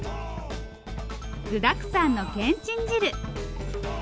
具だくさんのけんちん汁。